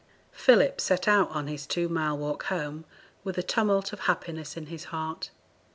Philip set out on his two mile walk home with a tumult of happiness in his heart.